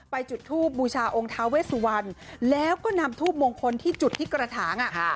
จุดทูบบูชาองค์ท้าเวสวันแล้วก็นำทูบมงคลที่จุดที่กระถางอ่ะ